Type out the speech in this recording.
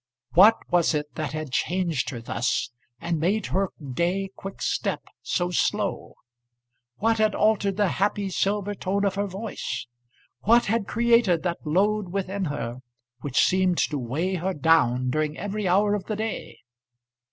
What was it that had changed her thus, and made her gay quick step so slow? what had altered the happy silver tone of her voice? what had created that load within her which seemed to weigh her down during every hour of the day?